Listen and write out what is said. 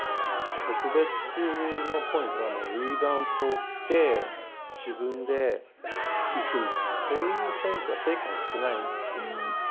特別のポイントは、もう、リバウンド取って、自分で行く、そういう選手は世界に少ないんですよ。